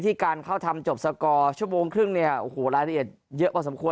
การเข้าทำจบสกอร์ชั่วโมงครึ่งเนี่ยโอ้โหรายละเอียดเยอะพอสมควร